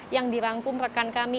yang dirangkum rekan kami